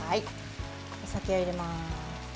お酒を入れます。